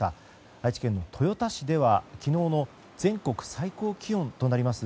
愛知県豊田市では昨日の全国最高気温となります